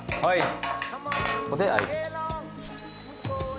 はい。